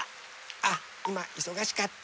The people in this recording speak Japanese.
あっいまいそがしかった。